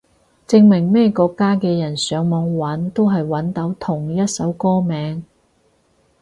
證明咩國家嘅人上網搵都係搵到同一首歌名